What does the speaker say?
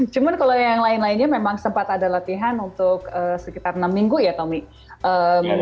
cuma kalau yang lain lainnya memang sempat ada latihan untuk sekitar enam minggu ya tommy